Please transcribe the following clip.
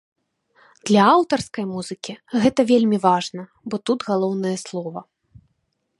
Для аўтарскай музыкі гэта вельмі важна, бо тут галоўнае слова.